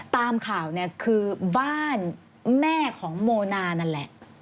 ตามข่าวเนี่ยคือบ้านแม่ของโมนานั่นแหละ